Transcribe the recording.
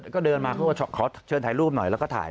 ก็เดินมาเขาก็ขอเชิญถ่ายรูปหน่อยแล้วก็ถ่าย